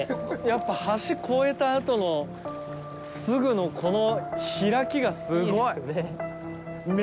やっぱり橋越えたあとのすぐのこの開きがすごい。